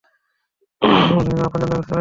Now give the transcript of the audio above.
সুতরাং তুমি তোমার আপনজনদের কাছে চলে যাও।